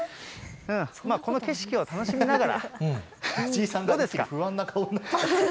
この景色を楽しみながら、藤井さん、どうですか？